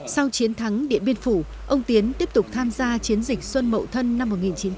sau chiến thắng điện biên phủ ông tiến tiếp tục tham gia chiến dịch xuân mậu thân năm một nghìn chín trăm bảy mươi